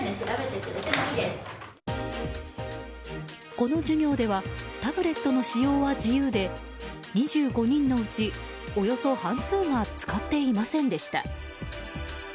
この授業ではタブレットの使用は自由で２５人のうち、およそ半数が使っていませんでした。